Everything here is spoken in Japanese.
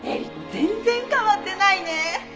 全然変わってないね。